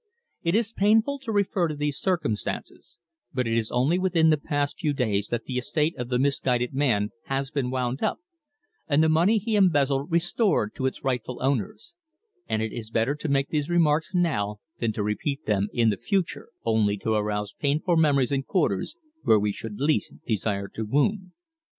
It is painful to refer to these circumstances, but it is only within the past few days that the estate of the misguided man has been wound up, and the money he embezzled restored to its rightful owners; and it is better to make these remarks now than repeat them in the future, only to arouse painful memories in quarters where we should least desire to wound.